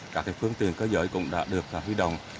các phương tiện cơ giới cũng đã được huy động